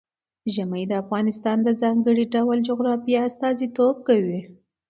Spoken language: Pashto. ژمی د افغانستان د ځانګړي ډول جغرافیه استازیتوب کوي.